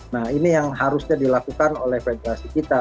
nah ini yang harusnya dilakukan oleh federasi kita